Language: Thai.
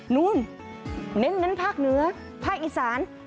นู้นเน้นภาคเหนือภาคอีสาน